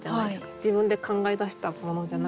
自分で考え出したものじゃないから。